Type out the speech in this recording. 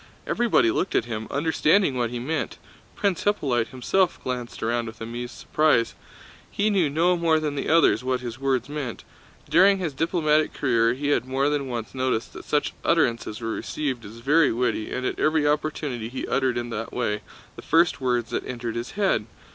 Everybody looked at him, understanding what he meant. Prince Hippolyte himself glanced around with amused surprise. He knew no more than the others what his words meant. During his diplomatic career he had more than once noticed that such utterances were received as very witty, and at every opportunity he uttered in that way the first words that entered his head.